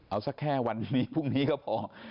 เอาสักแค่วันนี้พรุ่งนี้ก็พอ